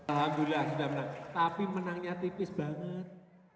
alhamdulillah sudah menang tapi menangnya tipis banget